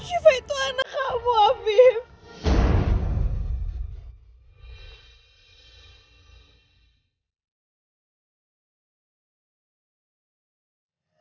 siapa itu anak kamu afif